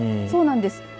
そうなんです。